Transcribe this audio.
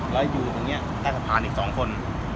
แล้วอยู่ตรงนี้ใต้สะพานอีก๒คน